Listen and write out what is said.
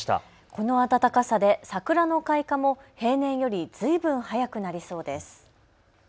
この暖かさで桜の開花も平年よりずいぶん早くなりそうです。